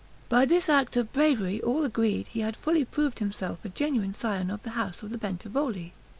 By this act of bravery all agreed he had fully proved himself a genuine scion of the house of the Bentivogli.